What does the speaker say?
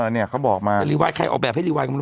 เนี่ยเขาบอกมารีไวท์ใครออกแบบให้รีไวท์กันบ้าง